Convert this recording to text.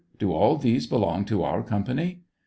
Do all these belong to our company